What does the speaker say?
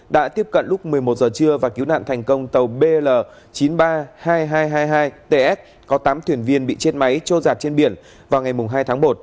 đã tiếp cận lúc một mươi một h trưa và cứu nạn thành công tàu bl chín mươi ba hai nghìn hai trăm hai mươi hai ts có tám thuyền viên bị chết máy trôi giặt trên biển vào ngày hai tháng một